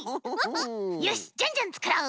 よしじゃんじゃんつくろう。